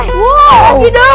eh pergi dong